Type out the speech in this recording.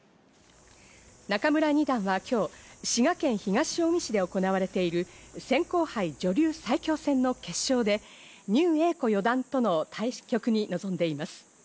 仲邑二段は今日、滋賀県東近江市でおこなわれている扇興杯女流最強戦の決勝で牛栄子四段との対局に臨んでいます。